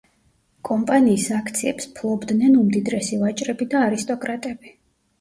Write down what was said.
კომპანიის აქციებს ფლობდნენ უმდიდრესი ვაჭრები და არისტოკრატები.